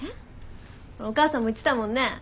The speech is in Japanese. お母さんも言ってたもんね